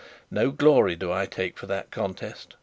No glory do I take for that contest.